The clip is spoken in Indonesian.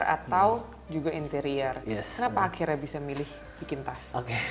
atau juga interior kenapa akhirnya bisa milih bikin tas